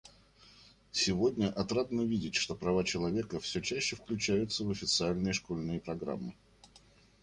Сегодня отрадно видеть, что права человека все чаще включаются в официальные школьные программы.